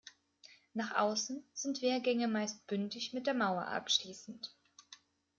Nach außen sind Wehrgänge meist bündig mit der Mauer abschließend.